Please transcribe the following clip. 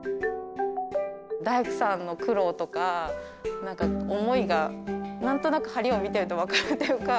大工さんの苦労とか何か思いが何となく梁を見てると分かるっていうか。